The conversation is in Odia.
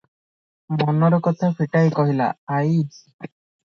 ମନର କଥା ଫିଟାଇ କହିଲା, "ଆଈ!